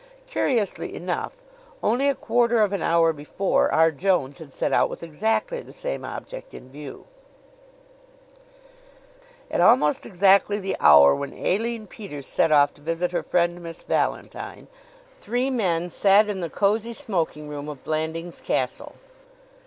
Curiously enough, only a quarter of an hour before, R. Jones had set out with exactly the same object in view. At almost exactly the hour when Aline Peters set off to visit her friend, Miss Valentine, three men sat in the cozy smoking room of Blandings Castle.